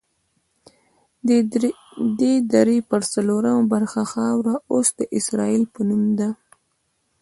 دې درې پر څلورمه برخه خاوره اوس د اسرائیل په نوم ده.